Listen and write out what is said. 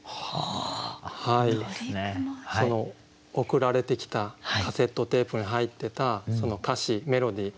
送られてきたカセットテープに入ってたその歌詞メロディー。